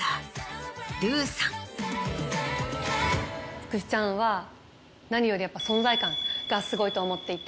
つくしちゃんは何よりやっぱ存在感がすごいと思っていて。